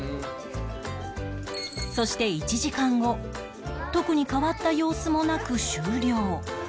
そして１時間後特に変わった様子もなく終了